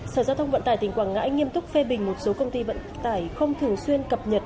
sở giao thông vận tải tỉnh quảng ngãi nghiêm túc phê bình một số công ty vận tải không thường xuyên cập nhật